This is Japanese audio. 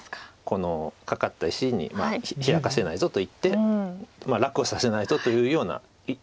このカカった石にヒラかせないぞといって楽をさせないぞというような意図が感じられます。